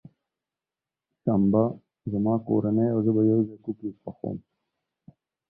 شنبه، زما کورنۍ او زه به یوځای کوکیز پخوم.